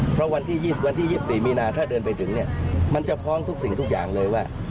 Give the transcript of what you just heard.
เพราะวันที่๒๔มีนาถ้าเดินไปถึงเนี่ยมันจะพร้อมทุกสิ่งทุกอย่างเลยว่า